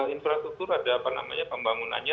infrastruktur ada apa namanya pembangunannya